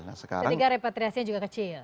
ketika repatriasinya juga kecil